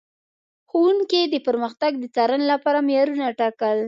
ښوونکي د پرمختګ د څارنې لپاره معیارونه ټاکل.